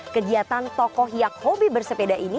kegiatan tokoh yang hobi bersepeda ini